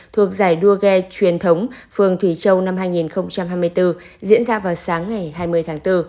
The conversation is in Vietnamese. thuộc giải đua ghe truyền thống phường thủy châu năm hai nghìn hai mươi bốn diễn ra vào sáng ngày hai mươi tháng bốn